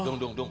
dung dung dung